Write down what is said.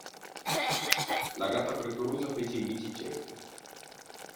La gatta frettolosa fece i mici ciechi.